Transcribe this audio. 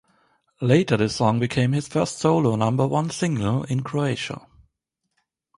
Later the song became his first solo number one single in Croatia.